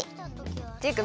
っていうか